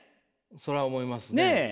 そら思いますね。